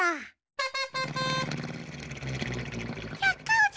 ププ。